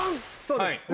そうです。